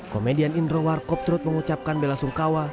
komedian indro warkopterut mengucapkan bela sungkawa